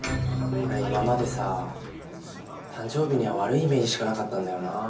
俺今までさ誕生日には悪いイメージしかなかったんだよなあ。